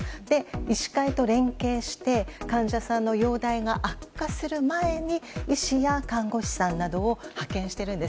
医師会と連携して患者さんの容体が悪化する前に医師や看護師さんなどを派遣しているんです。